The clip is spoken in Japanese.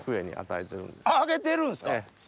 あげてるんすか！